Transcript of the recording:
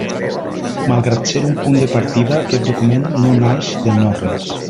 Malgrat ser un punt de partida, aquest document no naix del no-res.